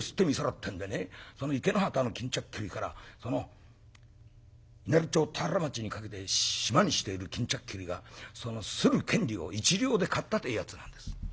ってんでね池之端の巾着切りから稲荷町田原町にかけてシマにしている巾着切りがする権利を１両で買ったというやつなんです」。